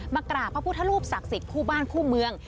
กราบพระพุทธรูปศักดิ์สิทธิ์คู่บ้านคู่เมือง